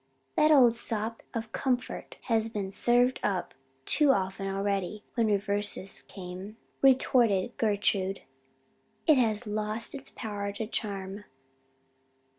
"That old sop of comfort has been served up too often already when reverses came," retorted Gertrude. "It has lost its power to charm."